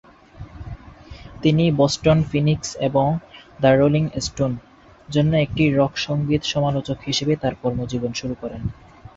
তিনি "Boston Phoenix" এবং "the rolling stone" জন্য একটি রক সঙ্গীত সমালোচক হিসাবে তার কর্মজীবন শুরু করেন।